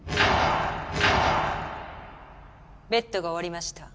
ベットが終わりました。